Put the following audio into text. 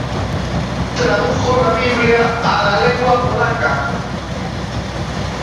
Tradujo la Biblia a la lengua polaca.